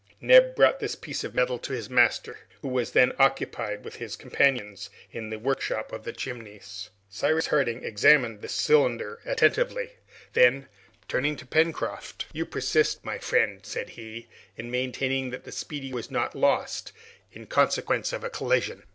Neb brought this piece of metal to his master, who was then occupied with his companions in the workshop of the Chimneys. Cyrus Harding examined the cylinder attentively, then, turning to Pencroft, "You persist, my friend," said he, "in maintaining that the 'Speedy' was not lost in consequence of a collision?"